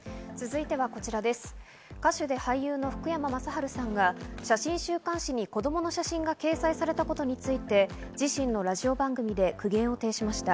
歌手で俳優の福山雅治さんが写真週刊誌に子供の写真が掲載されたことについて、自身のラジオ番組で苦言を呈しました。